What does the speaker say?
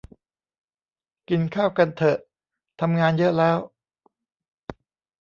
กินข้าวกันเถอะ ทำงาน ? เยอะ ? แล้ว ?